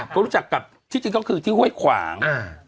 ก็รู้จักกับที่จริงก็คือที่ห้วยขวาง